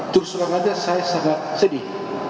terus terang saja saya sangat sedih